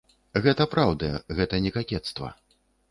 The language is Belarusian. Гэта праўда, гэта не какецтва.